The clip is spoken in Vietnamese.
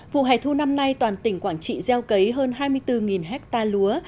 vụ hải thu năm nay toàn tỉnh quảng trị gieo cấy hơn hai mươi bốn ha lúa